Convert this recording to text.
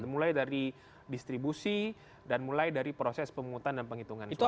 mulai dari distribusi dan mulai dari proses pemungutan dan penghitungan suara